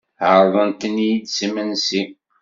Ɛerḍent-ten-id s imensi.